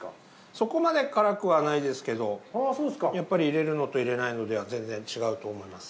そこまで辛くはないですけどやっぱり入れるのと入れないのでは全然違うと思います。